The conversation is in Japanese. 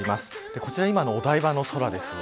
こちら今のお台場の空です。